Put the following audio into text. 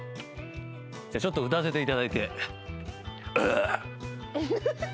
ちょっと歌わせていただいて。